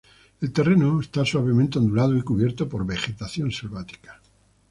El terreno está suavemente ondulado y cubierto por vegetación selvática.